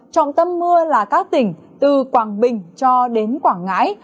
trọng tâm mưa là các tỉnh từ quảng bình cho đến quảng ngãi